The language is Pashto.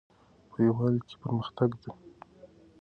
په یووالي کې پرمختګ ده